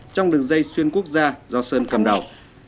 trong đường dây xuyên quốc gia do sơn cầm đầu